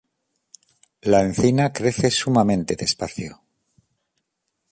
La encina crece sumamente despacio.